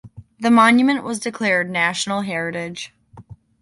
The monument was declared National Heritage.